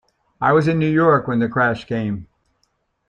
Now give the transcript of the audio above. I was in New York when the crash came.